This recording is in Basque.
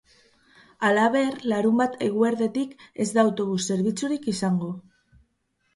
Halaber, larunbat eguerditik ez da autobus zerbitzurik izango.